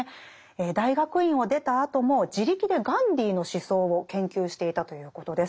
大学院を出たあとも自力でガンディーの思想を研究していたということです。